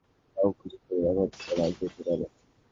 হাতের কাছে পেঁয়াজকলি থাকলে তা-ও কুচি করে ব্যবহার করা যেতে পারে।